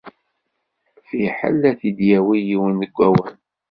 Fiḥel ad t-id-yawi yiwen deg awal.